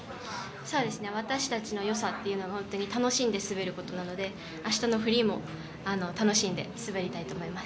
私たちの良さは楽しんで滑ることなので明日のフリーも楽しんで滑りたいと思います。